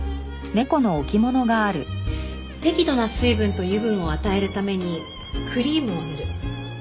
適度な水分と油分を与えるためにクリームを塗る。